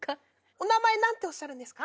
お名前何ておっしゃるんですか？